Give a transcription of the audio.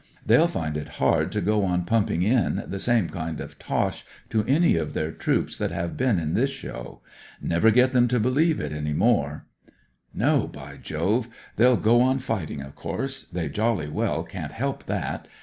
They'll find it hard to go on pumping in the same kind of tosh to any of their troops that have been in this show. Never get them to believe it any more." " No, by Jove I They'll go on fighting, of course. They jolly well can't help that.